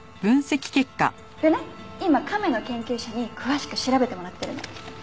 でね今亀の研究者に詳しく調べてもらってるの。